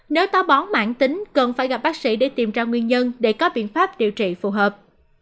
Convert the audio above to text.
nếu ta bóng mãn tính cần phải gặp bác sĩ để tìm ra nguyên nhân để có biện pháp điều trị phù hợp